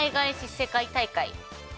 世界大会！？。